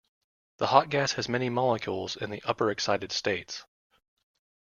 The hot gas has many molecules in the upper excited states.